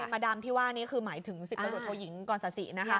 ไม่ดามที่ว่านี่คือหมายถึง๑๘โทรหญิงกอนศระศี